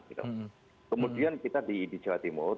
kemudian kita di jawa timur